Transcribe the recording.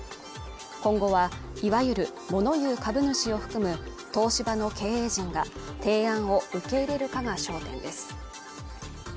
今後はいわゆる物言う株主を含む東芝の経営陣が提案を受け入れるかが焦点です